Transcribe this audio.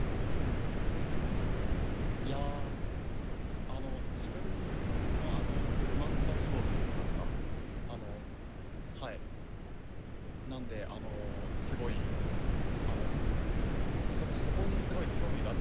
いやあの自分も漫画家志望といいますかあのはいなんであのすごいあのそこにすごい興味があったんですね。